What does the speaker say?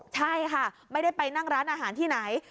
ใช่ค่ะไม่ได้ไปนั่งร้านอาหารที่ไหน